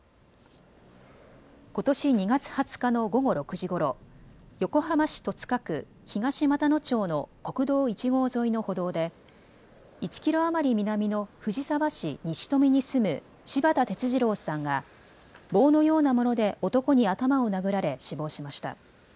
ことし２月２０日の午後６時ごろ、横浜市戸塚区東俣野町の国道１号沿いの歩道で１キロ余り南の藤沢市西富に住む柴田哲二郎さんが棒のようなもので男に頭を殴られ死亡しました。